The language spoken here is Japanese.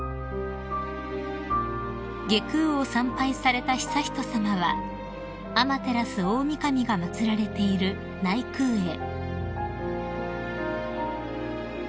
［外宮を参拝された悠仁さまは天照大御神が祭られている内宮へ］